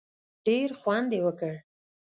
ډېر خوند یې وکړ.